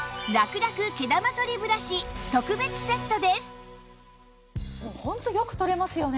今日はホントよく取れますよね。